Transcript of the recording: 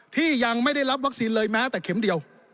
ที่ยังไม่ได้รับวัคซีนเลยแม้แต่เข็มเดียว